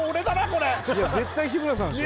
これ絶対日村さんでしょ